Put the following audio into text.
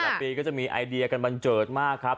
ปีก็จะมีไอเดียกันบันเจิดมากครับ